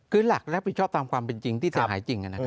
คือหลักรับผิดชอบตามความเป็นจริงที่เสียหายจริง